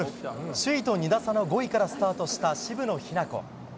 首位と２打差の５位からスタートした渋野日向子。